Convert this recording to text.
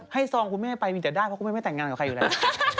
ซองคุณแม่ไปมีแต่ได้เพราะคุณแม่ไม่แต่งงานกับใครอยู่แล้ว